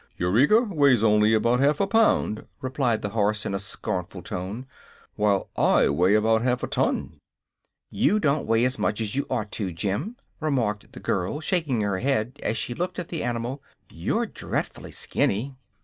"Eureka weighs only about half a pound," replied the horse, in a scornful tone, "while I weigh about half a ton." "You don't weigh as much as you ought to, Jim," remarked the girl, shaking her head as she looked at the animal. "You're dreadfully skinny."